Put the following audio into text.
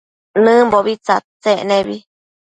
Nëmbo tsadtsec nebi